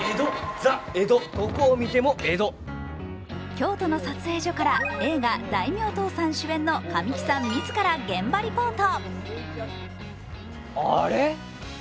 京都の撮影所から映画「大名倒産」主演の神木さん自らレポート。